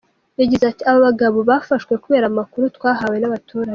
Yagize ati “Aba bagabo bafashwe kubera amakuru twahawe n’abaturage.